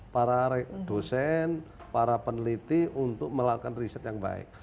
para dosen para peneliti untuk melakukan riset yang baik